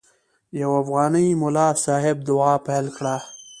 یو افغاني ملا صاحب دعا پیل کړه.